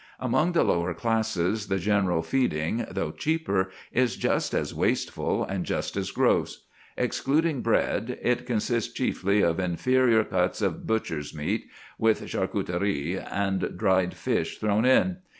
Among the lower classes the general feeding, though cheaper, is just as wasteful and just as gross. Excluding bread, it consists chiefly of inferior cuts of butcher's meat with charcuterie and dried fish thrown in.